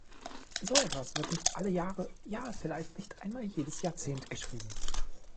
So etwas wird nicht alle Jahre, ja, vielleicht nicht einmal jedes Jahrzehnt geschrieben.